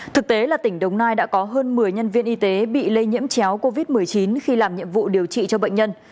thực tế là tỉnh đồng nai đã có hơn một mươi nhân viên y tế bị lây nhiễm chéo covid một mươi chín khi làm nhiệm vụ điều trị cho bệnh nhân